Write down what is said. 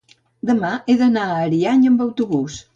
Demà he d'anar a Ariany amb autobús.